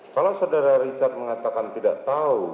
kalau saudara richard mengatakan tidak tahu